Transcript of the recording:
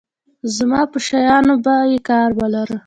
زما په شيانو به يې کار لاره.